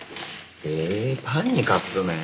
ええパンにカップ麺？